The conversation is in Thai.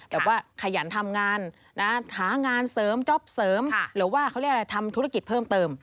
แต่ว่าขยันทำงานหางานเสริมจ๊อปเสริมหรือว่าเขาเรียกอะไรทำธุรกิจเพิ่มเติม